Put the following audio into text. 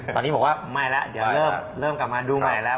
ตอนนี้บอกว่าไม่แล้วเดี๋ยวเริ่มกลับมาดูใหม่แล้ว